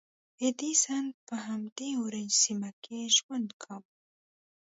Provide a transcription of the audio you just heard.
ایډېسن په همدې اورنج سیمه کې ژوند کاوه.